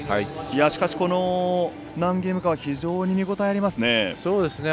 しかし、この何ゲームかは非常に、見応えありますね。